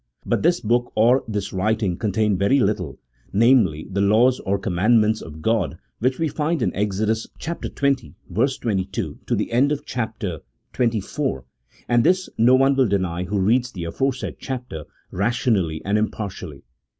But this book or this writing con tained very little, namely, the laws or commandments of God which we find in Exodus xx. 22 to the end of chap, xxiv., and this no one will deny who reads the aforesaid chapter rationally and impartially.